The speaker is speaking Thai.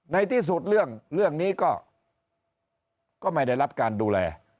ในที่สุดเรื่องนี้ก็ไม่ได้รับการดูแล